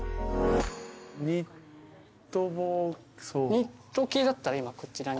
ニット系だったら今こちらに。